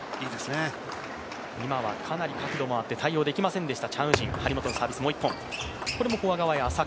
今はかなり角度もあって対応できませんでした。